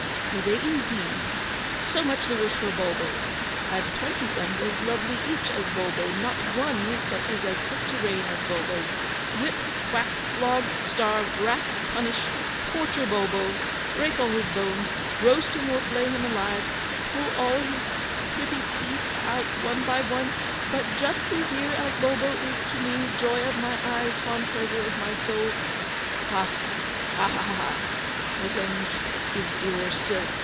Do they indeed? So much the worse for Bulbo. I've twenty sons as lovely each as Bulbo. Not one but is as fit to reign as Bulbo. Whip, whack, flog, starve, rack, punish, torture Bulbo break all his bones roast him or flay him alive pull all his pretty teeth out one by one! But justly dear as Bulbo is to me, joy of my eyes, fond treasure of my soul! Ha, ha, ha, ha! revenge is dearer still.